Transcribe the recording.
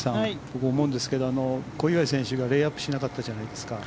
僕、思うんですけど小祝選手がレイアップしなかったじゃないですか。